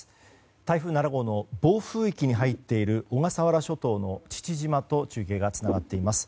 台風７号の暴風域に入っている小笠原諸島の父島と中継がつながっています。